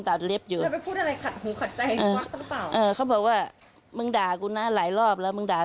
ตัดเล็บอยู่ก้มตัดเล็บอยู่